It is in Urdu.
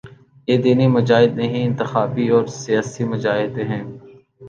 یہ دینی مجاہد نہیں، انتخابی اور سیاسی مجاہد ہیں۔